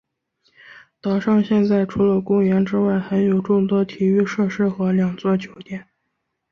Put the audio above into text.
岛上现在除了公园之外还有众多体育设施和两座酒店。